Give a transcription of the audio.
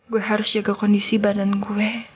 gue harus jaga kondisi badan gue